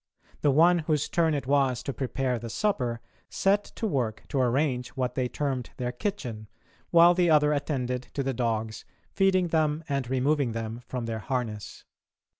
The one whose turn it was to prepare the supper set to work to arrange what they termed their kitchen, while the other attended to the dogs, feeding them and removing them from their harness.